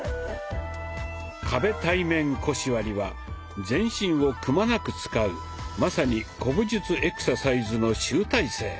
「壁対面腰割り」は全身をくまなく使うまさに古武術エクササイズの集大成。